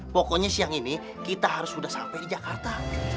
pokoknya siang ini kita harus sudah sampai di jakarta